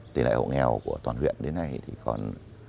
tỷ lệ hộ nghèo của toàn huyện đến nay còn sáu chín mươi sáu